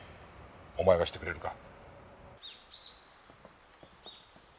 お前がしてくれるか？